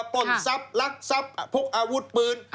ปล้นทรัพย์ลักทรัพย์พกอาวุธปืน